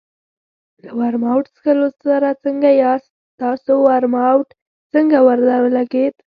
له ورماوټ څښلو سره څنګه یاست؟ ستاسو ورماوټ څنګه درولګېد؟